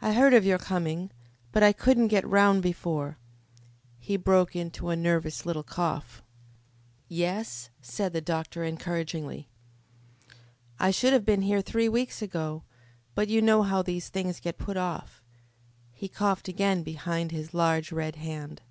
I heard of your coming, but I couldn't get round before " He broke into a nervous little cough. "Yes?" said the doctor encouragingly. "I should have been here three weeks ago, but you know how these things get put off." He coughed again behind his large red hand.